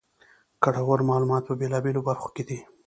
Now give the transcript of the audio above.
ګټورمعلومات په بېلا بېلو برخو کې دي.